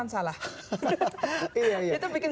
salah itu bikin